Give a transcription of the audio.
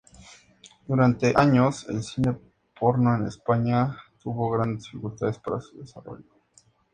Durante años el cine porno en España tuvo grandes dificultades para su desarrollo.